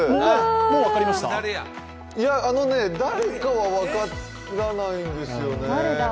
誰かは分からないんですよね